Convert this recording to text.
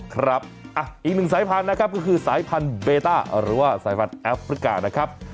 ครับอีกหนึ่งสายพันธุ์นะครับก็คือสายพันธุเบต้าหรือว่าสายพันธุ์แอฟริกานะครับ